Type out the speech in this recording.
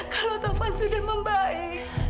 kalau taufan sudah membaik